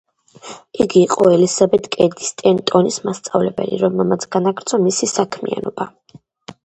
იგი იყო ელისაბედ კედი სტენტონის მასწავლებელი, რომელმაც განაგრძო მისი საქმიანობა.